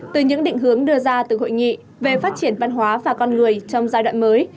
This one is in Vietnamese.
từ những định hướng đưa ra từ hội nghị về phát triển văn hóa và con người trong giai đoạn mới